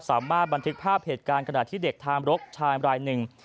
สามารถบันทึกภาพเหตุการณ์ขณะที่เด็กทามรกชายรายหนึ่ง